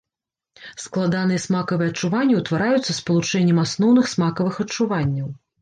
Складаныя смакавыя адчуванні утвараюцца спалучэннем асноўных смакавых адчуванняў.